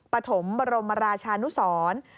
ปฐมบรมราชานุสร